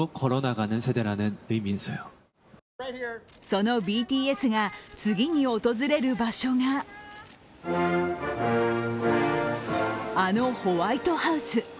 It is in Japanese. そのＢＴＳが次に訪れる場所があのホワイトハウス。